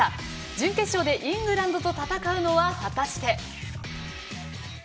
準決勝でイングランドと戦うのは果たして。